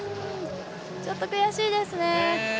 ちょっと悔しいですね。